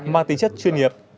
mà tính chất chuyên nghiệp